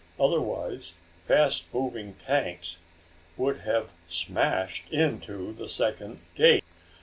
Otherwise fast moving tanks would have smashed into the second gate.